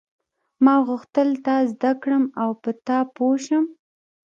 ما غوښتل تا زده کړم او په تا پوه شم.